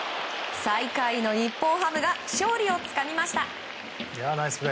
最下位の日本ハムが勝利をつかみました。